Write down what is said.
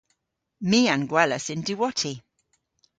My a'n gwelas y'n diwotti.